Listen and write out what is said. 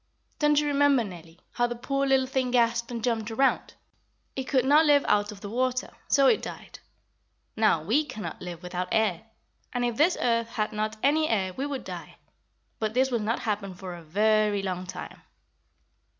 Don't you remember, Nellie, how the poor little thing gasped and jumped around? It could not live out of the water, so it died. Now, we cannot live without air, and if this earth had not any air we would die. But this will not happen for a very long time."